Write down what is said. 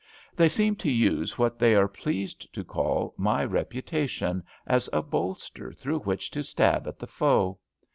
They seem to use what they are pleased to call my reputation as a bolster through which to stab at the foe.